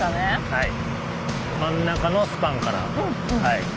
はい。